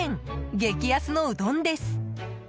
激安のうどんです。